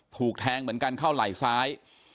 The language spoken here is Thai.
ถูกแทงเหมือนกันเข้าไหล่ซ้าย